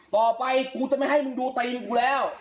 ต่อไปกูจะไม่ให้มึงดูตีกูแล้ว